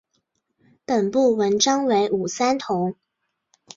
本部纹章为五三桐。